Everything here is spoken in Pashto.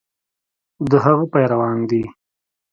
د هغه پیروان دي.